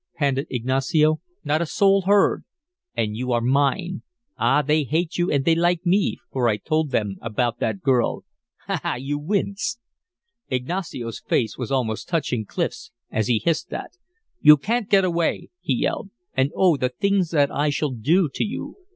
panted Ignacio. "Not a soul heard! And you are mine. Ah, they hate you and they like me, for I told them about that girl. Ha, ha! You wince!" Ignacio's face was almost touching Clif's as he hissed that. "You can't get away!" he yelled. "And, oh, the things that I shall do to you!